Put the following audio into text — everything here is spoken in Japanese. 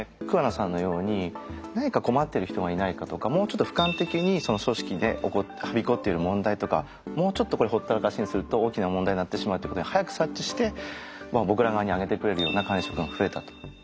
桑名さんのように何か困ってる人がいないかとかもうちょっとふかん的に組織にはびこってる問題とかもうちょっとこれほったらかしにすると大きな問題になってしまうってことに早く察知して僕ら側にあげてくれるような管理職が増えたと。